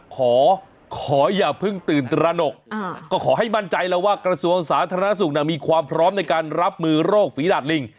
ขอขออย่าเพิ่งตื่นตระหนกก็ขอให้มั่นใจแล้วว่ากระทรวงสาธารณสุขมีความพร้อมในการรับมือโรคฝีดาดลิง